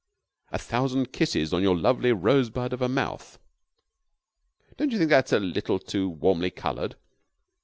"'A thousand kisses on your lovely rosebud of a mouth.' Don't you think that is a little too warmly colored?